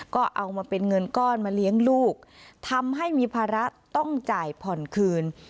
ก็เอามาเป็นเงินก้อนมาเลี้ยงลูกทำให้มีภาระต้องจ่ายผ่อนคืน